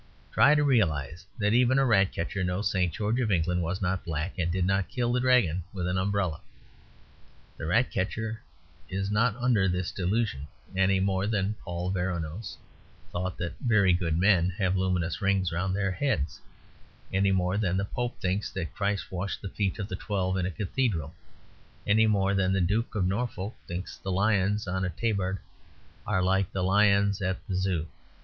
Try to realise that even a Ratcatcher knows St. George of England was not black, and did not kill the Dragon with an umbrella. The Rat catcher is not under this delusion; any more than Paul Veronese thought that very good men have luminous rings round their heads; any more than the Pope thinks that Christ washed the feet of the twelve in a Cathedral; any more than the Duke of Norfolk thinks the lions on a tabard are like the lions at the Zoo.